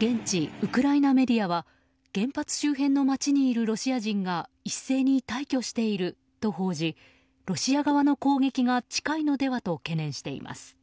現地ウクライナメディアは原発周辺の街にいるロシア人がロシア人が一斉に退去していると報じロシア側の攻撃が近いのではと懸念しています。